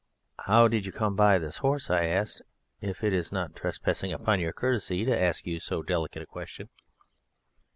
"How did you come by this horse?" said I; "if it is not trespassing upon your courtesy to ask you so delicate a question."